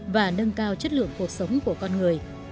và nâng cao chất lượng cuộc sống của con người